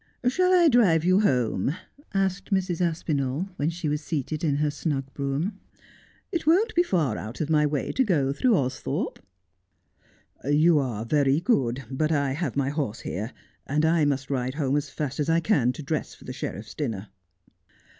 ' Shall I drive you home 1 ' asked Mrs. Aspinall, when she was seated in her snug brougham, ' It won't be far out of my way to go through Austhorpe.' ' You are very good, but I have my horse here, and I must ride home as fast as I can to dress for the sheriff's dinner.'